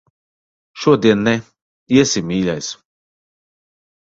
Šodien ne. Iesim, mīļais.